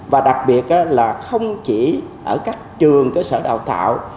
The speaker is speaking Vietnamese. và đặc biệt là không chỉ ở các trường cơ sở đào tạo